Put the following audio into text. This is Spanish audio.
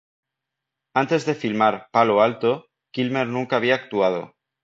Antes de filmar "Palo Alto", Kilmer nunca había actuado.